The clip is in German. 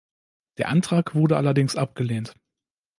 Der Antrag wurde allerdings abgelehnt.